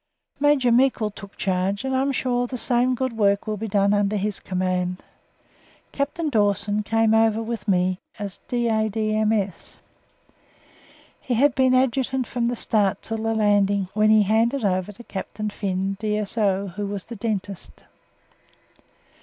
Major Meikle took charge, and I am sure the same good work will be done under his command. Captain Dawson came over with me as D.A.D.M.S. He had been Adjutant from the start until the landing, when he "handed over" to Captain Finn, D.S.O., who was the dentist.